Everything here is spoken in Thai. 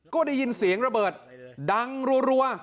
ก็ได้ยินเสียงระเบิดดังรัว